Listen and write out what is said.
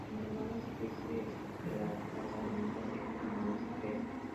En el mar la especie es pelágica, se alimentan de calamares y peces.